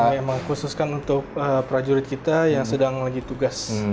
emang khususkan untuk prajurit kita yang sedang lagi tugas